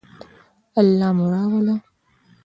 الله مو راوله